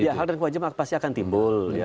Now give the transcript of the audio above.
ya hak dan kewajiban pasti akan timbul